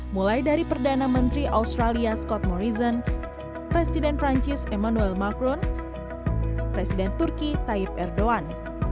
mulai dari perdana menteri australia scott morrison presiden perancis emmanuel macron presiden turki tayyip erdogan